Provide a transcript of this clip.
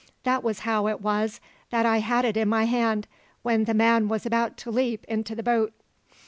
That was how it was that I had it in my hand, when the man was about to leap into the boat."